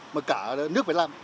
mà cả nước phải làm